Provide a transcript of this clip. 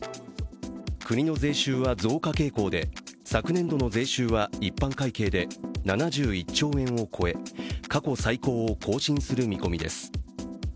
国の税収は増加傾向で昨年度の税収は一般会計で７１兆円を超え、過去最高を更新する見込みです。